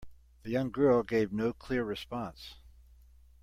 The young girl gave no clear response.